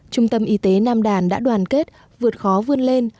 trung tâm y tế nam đàn đã đoàn kết vượt khó vươn lên